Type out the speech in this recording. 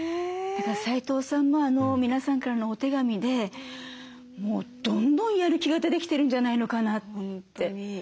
だから齋藤さんも皆さんからのお手紙でもうどんどんやる気が出てきてるんじゃないのかなって。